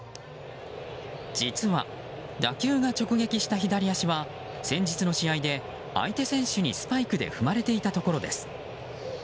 実は打球が直撃した左足は先日の試合で相手選手にスパイクで踏まれていたところです。